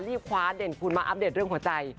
ที่คว้าเด่นคุณมาอัปเดตเรื่องหัวใจ